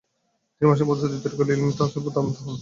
তিনি মানসিক প্রস্তুতি তৈরি করে ইলমে তাসাউফের দারপ্রান্তে পৌছেন।